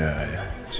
ya dia suami saya